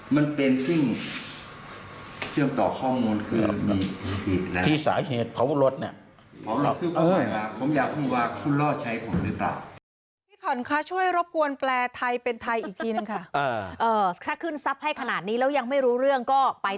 มันเป็นซึ่งเชื่อมต่อข้อมูลคือมีผิดแล้ว